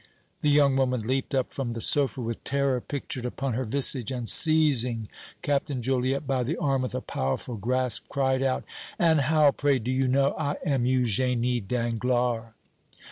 The young woman leaped up from the sofa, with terror pictured upon her visage, and, seizing Captain Joliette by the arm with a powerful grasp, cried out: "And how, pray, do you know I am Eugénie Danglars?"